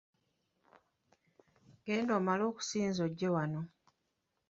Genda omale okusinza ojje wano.